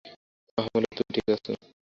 আমহলে - তুমি ঠিক আছো?